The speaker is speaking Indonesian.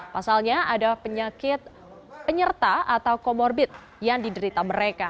pasalnya ada penyakit penyerta atau comorbid yang diderita mereka